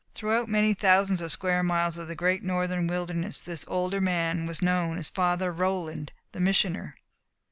Throughout many thousands of square miles of the great northern wilderness this older man was known as Father Roland, the Missioner.